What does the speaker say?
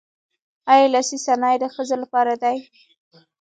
آیا لاسي صنایع د ښځو لپاره دي؟